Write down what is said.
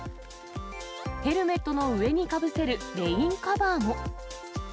ヘルメットの上にかぶせるレインカバーも。